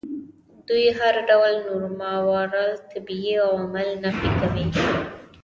دوی هر ډول نور ماورا الطبیعي عوامل نفي کوي.